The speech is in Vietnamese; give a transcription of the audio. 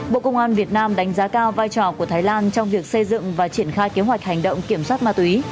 bộ công an việt nam đánh giá cao vai trò của thái lan trong việc xây dựng và triển khai kế hoạch hành động kiểm soát ma túy